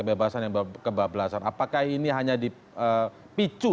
apakah ini hanya dipicu